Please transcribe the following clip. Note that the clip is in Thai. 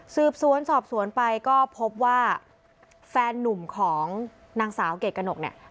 สืบสวนสอบสวนไปก็พบว่าแฟนนุ่มของนางสาวเกรดกระหนกเนี่ย